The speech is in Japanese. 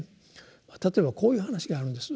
例えばこういう話があるんです。